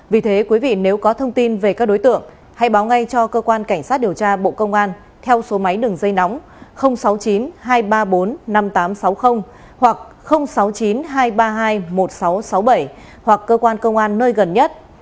vì thế quý vị nếu có thông tin về các đối tượng hãy báo ngay cho cơ quan cảnh sát điều tra bộ công an theo số máy đường dây nóng sáu mươi chín hai trăm ba mươi bốn năm nghìn tám trăm sáu mươi hoặc sáu mươi chín hai trăm ba mươi hai một nghìn sáu trăm sáu mươi bảy hoặc cơ quan công an nơi gần nhất